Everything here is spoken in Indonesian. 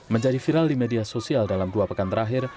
menjadi viral di media sosial dalam dua pekan terakhir